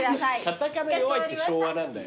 片仮名弱いって昭和なんだよ。